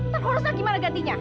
taruh terus lah gimana gantinya